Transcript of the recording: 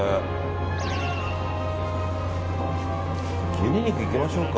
胸肉いきましょうか。